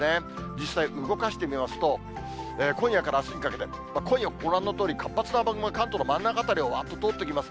実際、動かしてみますと、今夜からあすにかけて、今夜、ご覧のとおり、活発な雨雲が関東の真ん中辺りをわーっと通っていきます。